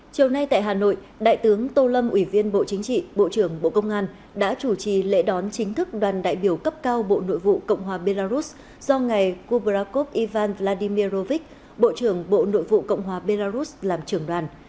chiều nay tại hà nội đại tướng tô lâm ủy viên bộ chính trị bộ trưởng bộ công an đã chủ trì lễ đón chính thức đoàn đại biểu cấp cao bộ nội vụ cộng hòa belarus do ngài gubrakov ivan vladimirrovich bộ trưởng bộ nội vụ cộng hòa belarus làm trưởng đoàn